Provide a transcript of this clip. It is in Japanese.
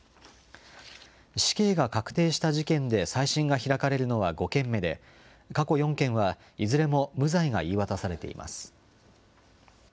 死刑が確定した事件で再審が開かれるのは５件目で、過去４件はいずれも無罪が言い渡されています。